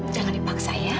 jangan dipaksa ya